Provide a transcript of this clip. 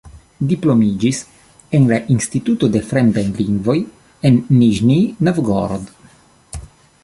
Diplomiĝis en la Instituto de fremdaj lingvoj en Niĵnij Novgorod.